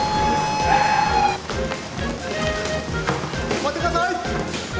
止まってください。